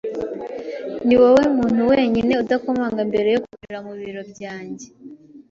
Niwowe muntu wenyine udakomanga mbere yo kwinjira mu biro byanjye.